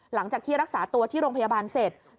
หลังจากที่รักษาตัวที่โรงพยาบาลเสร็จ